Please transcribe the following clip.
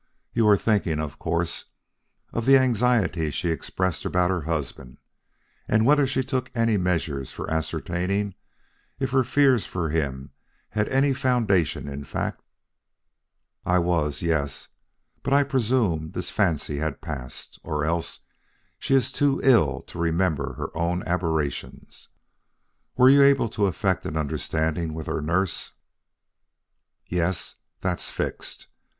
You are thinking, of course, of the anxiety she expressed about her husband, and whether she took any measures for ascertaining if her fears for him had any foundation in fact?" "I was, yes; but I presume this fancy had passed, or else she is too ill to remember her own aberrations. Were you able to effect an understanding with her nurse?" "Yes; that's fixed.